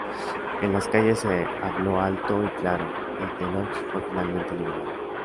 En las calles se habló alto y claro y The Lox fue finalmente liberado.